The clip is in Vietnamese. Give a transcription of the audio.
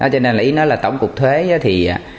cho nên ý nói là tổng cục thuế thì